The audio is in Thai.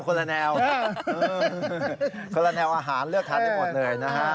คนละแนวอาหารเลือกชาติทั้งหมดเลยนะ